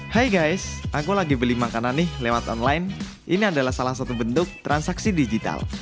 hai guys aku lagi beli makanan nih lewat online ini adalah salah satu bentuk transaksi digital